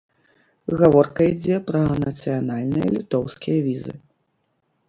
Гаворка ідзе пра нацыянальныя літоўскія візы.